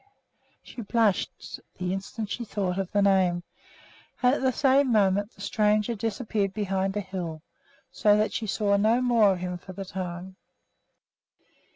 She blushed the instant she thought of the name, and at the same moment the stranger disappeared behind a hill, so that she saw no more of him for the time.